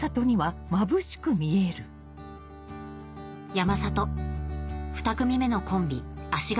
山里２組目のコンビ足軽